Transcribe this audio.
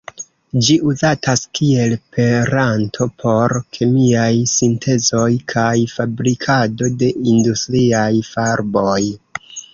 Ĝi uzatas kiel peranto por kemiaj sintezoj kaj fabrikado de industriaj farboj.